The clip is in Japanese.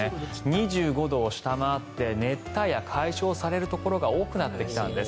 ２５度を下回って熱帯夜解消されるところが多くなってきたんです。